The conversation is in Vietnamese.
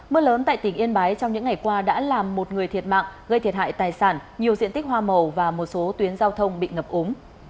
mưa lớn tại tỉnh yên bái trong những ngày qua đã làm một người thiệt mạng gây thiệt hại tài sản nhiều diện tích hoa màu và một số tuyến giao thông bị ngập ống